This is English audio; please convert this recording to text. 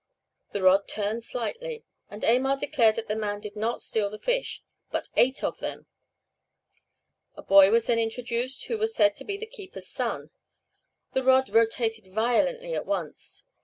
The rod turned slightly, and Aymar declared that the man did not steal the fish, but ate of them. A boy was then introduced, who was said to be the keeper's son. The rod rotated violently at once.